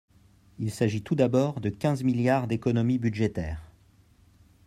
Il s’agit tout d’abord de quinze milliards d’économies budgétaires.